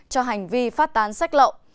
cho hành vi phát tán sách lậu